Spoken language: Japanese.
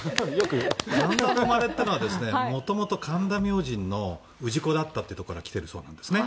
神田で生まれたのは元々神田明神の氏子だったというところから来ているそうなんですね。